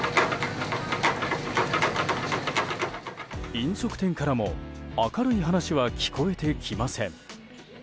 飲食店からも明るい話は聞こえてきません。